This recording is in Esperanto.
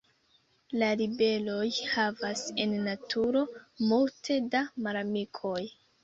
La libeloj havas en naturo multe da malamikoj.